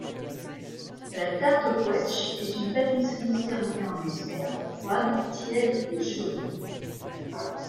La tarte au quetsches est une pâtisserie servie en dessert, froide, tiède ou chaude.